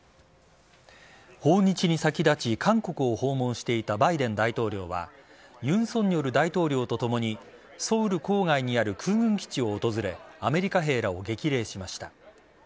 訪日に先立ち韓国を訪問していたバイデン大統領は尹錫悦大統領とともにソウル郊外にある空軍基地を訪れアメリカ兵らを激励しました。